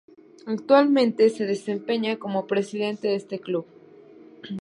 Actualmente se desempeña como presidente de ese club.